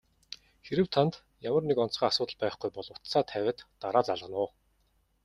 Хэрэв танд ямар нэг онцгой асуудал байхгүй бол утсаа тавиад дараа залгана уу?